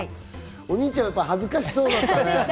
お兄ちゃん、やっぱり恥ずかしそうだったね。